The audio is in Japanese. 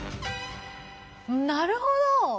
なるほど！